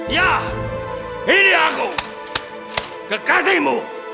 ya ini aku kekasihmu